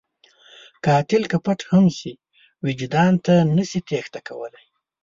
قاتل که پټ هم شي، وجدان ته نشي تېښته کولی